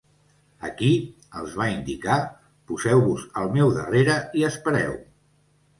Aquí —els va indicar—, poseu-vos al meu darrere i espereu.